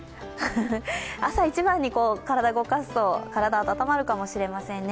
朝一番に体動かすと体、温まるかもしれませんね。